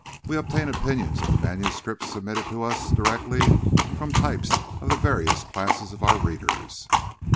We obtain opinions of the manuscripts submitted to us directly from types of the various classes of our readers."